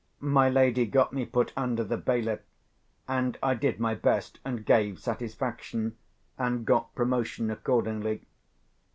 My lady got me put under the bailiff, and I did my best, and gave satisfaction, and got promotion accordingly.